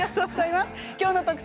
きょうの「特選！